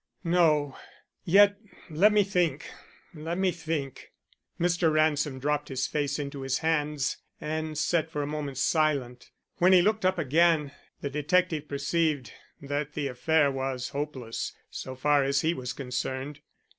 "No. Yet let me think; let me think." Mr. Ransom dropped his face into his hands and sat for a moment silent. When he looked up again, the detective perceived that the affair was hopeless so far as he was concerned.